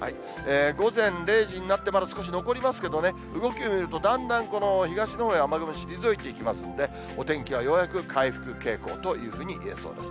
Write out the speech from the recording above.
午前０時になって、まだ少し残りますけどね、動きを見るとだんだんこの東のほうへ雨雲退いていきますんで、お天気はようやく回復傾向といえそうです。